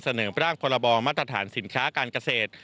นำร่างพรบมาตรฐานสินค้าการเกษตร